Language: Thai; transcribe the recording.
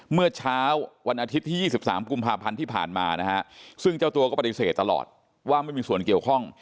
เมื่อเช้าวันอาทิตย์ที่๒๓กุมภาพันธ์ที่ผ่านมานะฮะซึ่งเจ้าตัวก็ปฏิเสธตลอดว่าไม่มีส่วนเกี่ยวข้อง